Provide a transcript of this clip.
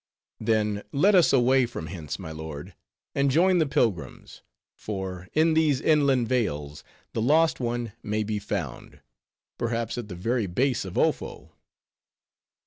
"Then let us away from hence, my lord; and join the pilgrims; for, in these inland vales, the lost one may be found, perhaps at the very base of Ofo."